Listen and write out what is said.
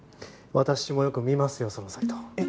私もよく見ますよそのサイト。